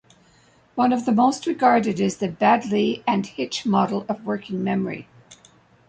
One of the most regarded is the Baddeley and Hitch model of working memory.